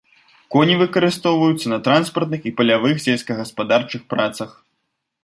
Коні выкарыстоўваюцца на транспартных і палявых сельскагаспадарчых працах.